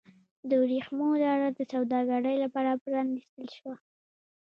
د ورېښمو لاره د سوداګرۍ لپاره پرانیستل شوه.